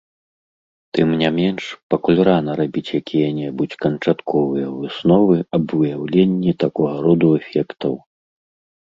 Тым не менш, пакуль рана рабіць якія-небудзь канчатковыя высновы аб выяўленні такога роду эфектаў.